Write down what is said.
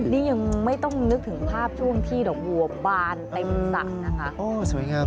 นี่ยังไม่ต้องนึกถึงภาพช่วงที่ดอกบัวบานเต็มสระนะคะ